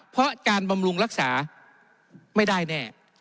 เพราะการบำรุงรักษาไม่ได้แน่